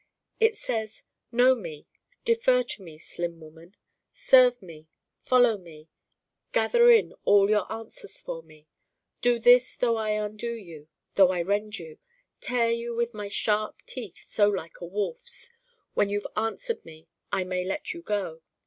It says: 'Know me, defer to me, Slim woman. Serve me, follow me, gather in all your answers for me. Do this though I undo you, though I rend you, tear you with my sharp teeth so like a wolf's. When you've answered me I may let you go.